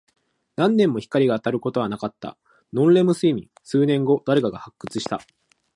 何年も光が当たることなかった。ノンレム睡眠。数年後、誰かが発掘した。